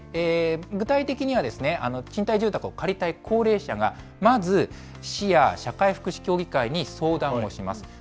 具体的には、賃貸住宅を借りたい高齢者がまず、市や社会福祉協議会に相談をします。